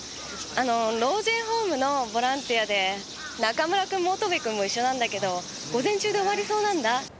あの老人ホームのボランティアで中村君も乙部君も一緒なんだけど午前中で終わりそうなんだ。